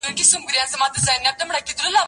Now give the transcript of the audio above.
زه اوږده وخت سیر کوم،